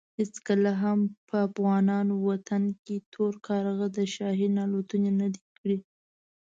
هېڅکله هم په افغان وطن کې تور کارغه د شاهین الوتنې نه دي کړې.